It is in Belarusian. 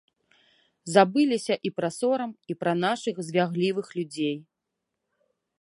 Забыліся і пра сорам, і пра нашых звяглівых людзей.